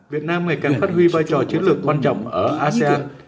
việt nam ngày càng phát huy vai trò chiến lược quan trọng ở asean